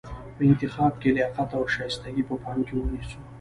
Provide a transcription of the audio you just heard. په انتخاب کې لیاقت او شایستګي په پام کې ونیسو.